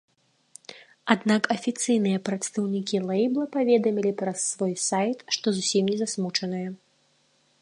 Аднак афіцыйныя прадстаўнікі лэйбла паведамілі праз свой сайт, што зусім не засмучаныя.